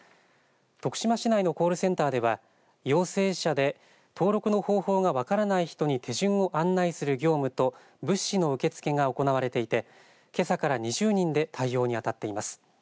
徳島市内のコールセンターでは陽性者で登録の方法が分からない人に手順を案内する業務と物資の受け付けが行われていてけさから２０人で対応にあたっています。